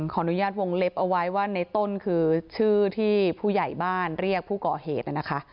ขออนุญาตวงเล็บเอาไว้ว่าในต้นคือชื่อที่ผู้ใหญ่บ้านเรียกผู้ก่อเหตุนะคะ